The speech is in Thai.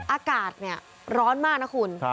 อากาศร้อนมากนะคุณ